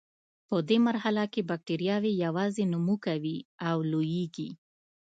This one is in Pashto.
په دې مرحله کې بکټریاوې یوازې نمو کوي او لویږي.